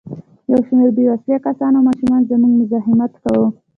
یو شمېر بې وسلې کسانو او ماشومانو زموږ مزاحمت کاوه.